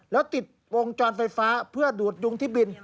แล้วติดวงจรไฟฟ้าเพื่อดูดยุงที่บิน